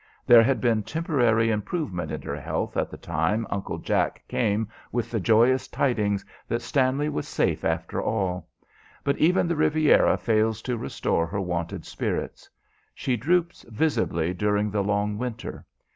There had been temporary improvement in her health at the time Uncle Jack came with the joyous tidings that Stanley was safe after all; but even the Riviera fails to restore her wonted spirits. She droops visibly during the long winter.